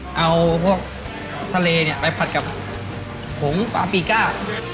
เอาพวกทะเลเนี่ยไปผัดกับผงปลาปีก้า